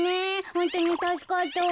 ホントにたすかったわ。